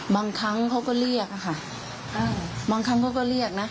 บางครั้งเขาก็เรียกอะค่ะบางครั้งเขาก็เรียกนะ